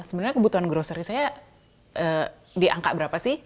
sebenarnya kebutuhan grocery saya diangka berapa sih